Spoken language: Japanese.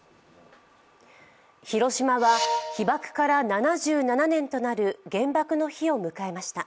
広島は被爆から７７年となる原爆の日を迎えました。